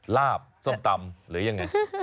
ลาบส้มตำหรือยังไง